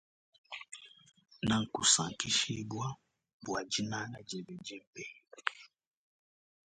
Na kusankishibwa bwa dinanga diebe dimpe.